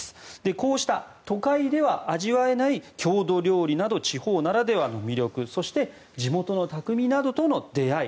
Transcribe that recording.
こうした都会では味わえない郷土料理など地方ならではの魅力そして地元のたくみなどとの出会い